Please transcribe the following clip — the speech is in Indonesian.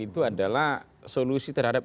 itu adalah solusi terhadap